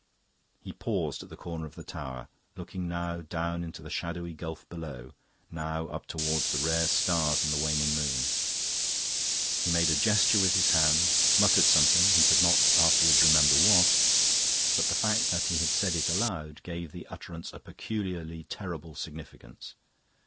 He paused at the corner of the tower, looking now down into the shadowy gulf below, now up towards the rare stars and the waning moon. He made a gesture with his hand, muttered something, he could not afterwards remember what; but the fact that he had said it aloud gave the utterance a peculiarly terrible significance.